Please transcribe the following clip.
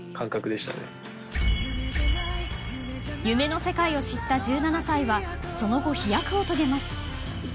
夢の世界を知った１７歳はその後、飛躍を遂げます。